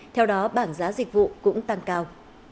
theo đó bảng giá dịch vụ cũng tăng cao